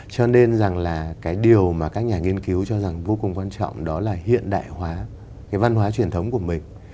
cho nên rằng là cái điều mà các nhà nghiên cứu cho rằng vô cùng quan trọng đó là hiện đại hóa cái văn hóa truyền thống của mình